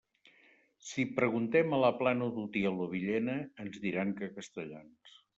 Si preguntem a la Plana d'Utiel o Villena, ens diran que castellans.